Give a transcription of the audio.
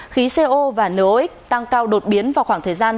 khí co và nox tăng cao đột biến vào khoảng thời gian